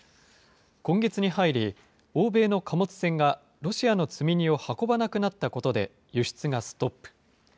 今月に入り、欧米の貨物船がロシアの積み荷を運ばなくなったことで、輸出がストップ。